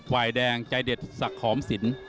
ไฟแดงใจเด็ดสัตว์พร้อมสิน